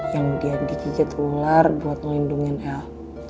yang dia digigit ular buat ngelindungin el